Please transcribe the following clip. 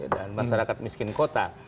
dan masyarakat miskin kota